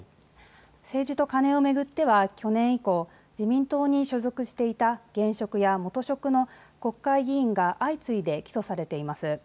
政治とカネを巡っては去年以降、自民党に所属していた現職や元職の国会議員が相次いで起訴されています。